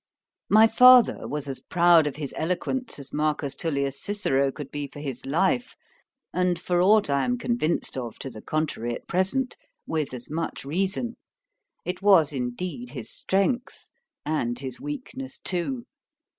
My father was as proud of his eloquence as MARCUS TULLIUS CICERO could be for his life, and, for aught I am convinced of to the contrary at present, with as much reason: it was indeed his strength—and his weakness too.